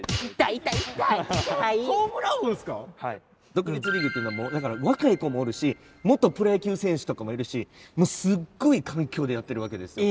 独立リーグっていうのは若い子もおるし元プロ野球選手とかもいるしすっごい環境でやってるわけですよ。